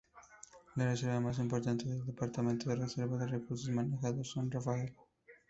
La reserva más importante del departamento es la Reserva de recursos manejados San Rafael.